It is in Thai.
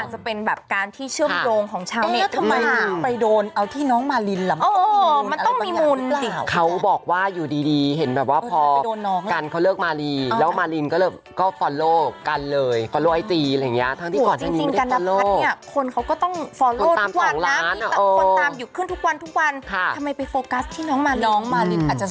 อ๋อเหมือนก็อาจจะเป็นแบบการที่เชื่อมโดงของชาว